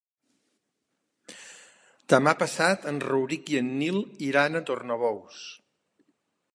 Demà passat en Rauric i en Nil iran a Tornabous.